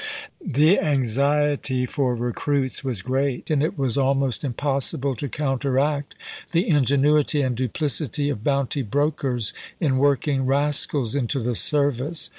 The anxiety for recruits was great, and it was al most impossible to counteract the ingenuity and duplicity of bounty brokers in working rascals into the service.